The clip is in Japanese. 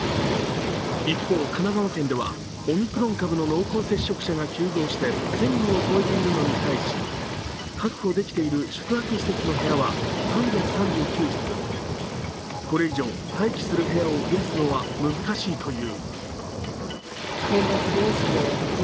一方、神奈川県ではオミクロン株の濃厚接触者が急増して１０００人を超えているのに対し確保できている宿泊施設の部屋は３３９室、これ以上、待機する部屋を増やすのは難しいという。